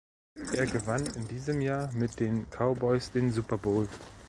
Er gewann in diesem Jahr mit den Cowboys den Super Bowl.